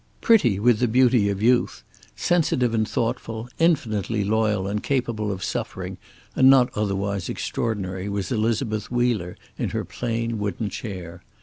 Pretty with the beauty of youth, sensitive and thoughtful, infinitely loyal and capable of suffering and not otherwise extraordinary was Elizabeth Wheeler in her plain wooden chair.